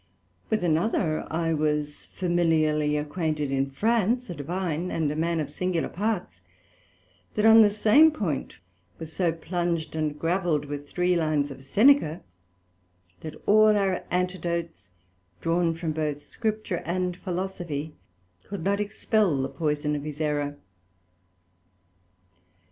With another I was familiarly acquainted in France, a Divine, and a man of singular parts, that on the same point was so plunged and gravelled with three lines of Seneca, that all our Antidotes, drawn from both Scripture and Philosophy, could not expel the poyson of his errour.